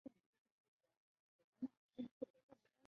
光绪十八年建门前的照壁。